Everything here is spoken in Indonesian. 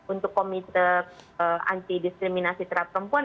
untuk komite anti diskriminasi terhadap perempuan